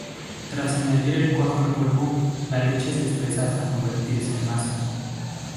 Tras añadir el cuajo en polvo, la leche se espesa hasta convertirse en masa.